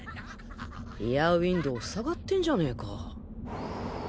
リアウインドウふさがってんじゃねか